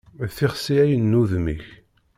D tixsi ay n udem-ik.